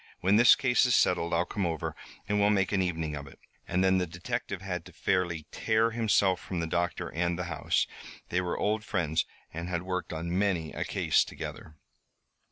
When this case is settled, I'll come over and we'll make an evening of it." And then the detective had to fairly tear himself from the doctor and the house. They were old friends and had worked on many a case together.